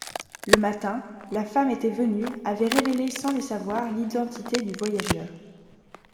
Le matin, la femme était venue, avait révélé sans le savoir l'identité du voyageur.